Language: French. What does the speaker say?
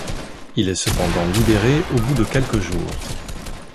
Il est cependant libéré au bout de quelques jours.